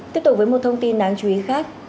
tiếp tục với một thông tin đáng chú ý khác